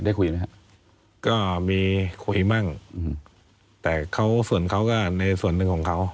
ได้คุยไหมฮะก็มีคุยบ้างอืมแต่เขาส่วนเขาก็ในส่วนหนึ่งของเขา